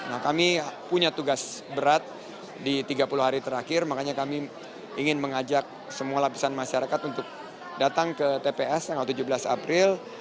nah kami punya tugas berat di tiga puluh hari terakhir makanya kami ingin mengajak semua lapisan masyarakat untuk datang ke tps tanggal tujuh belas april